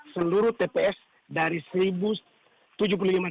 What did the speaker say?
seluruh tps dari sulawesi tengah sampai jawa tengah